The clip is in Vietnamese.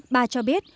bà cho biết